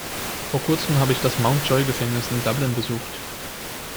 Vor kurzem habe ich das Mountjoy-Gefängnis in Dublin besucht.